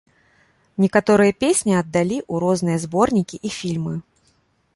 Некаторыя песні аддалі ў розныя зборнікі і фільмы.